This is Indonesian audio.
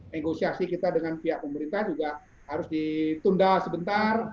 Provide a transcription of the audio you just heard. negosiasi kita dengan pihak pemerintah juga harus ditunda sebentar